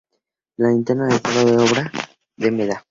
La linterna del coro es obra de Giuseppe Meda.